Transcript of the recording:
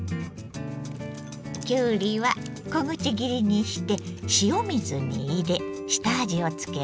きゅうりは小口切りにして塩水に入れ下味をつけます。